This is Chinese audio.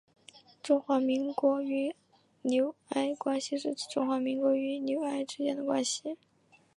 中华民国与纽埃关系是指中华民国与纽埃之间的关系。